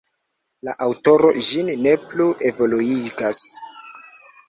La aŭtoro ĝin ne plu evoluigas.